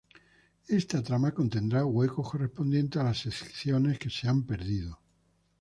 Esta trama contendrá huecos correspondientes a las secciones que se han perdido.